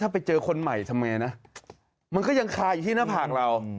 ไปเจอคนใหม่ทำไงนะมันก็ยังคาอยู่ที่หน้าผากเรา